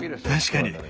確かに！